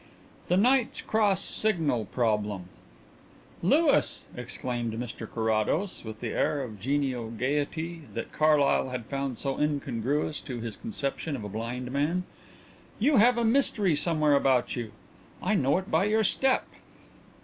THE KNIGHT'S CROSS SIGNAL PROBLEM "Louis," exclaimed Mr Carrados, with the air of genial gaiety that Carlyle had found so incongruous to his conception of a blind man, "you have a mystery somewhere about you! I know it by your step."